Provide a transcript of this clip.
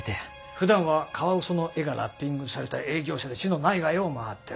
ふだんはカワウソの絵がラッピングされた営業車で市の内外を回ってる。